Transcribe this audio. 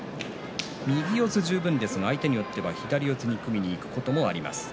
右四つ十分ですが相手によっては左で組むこともあります。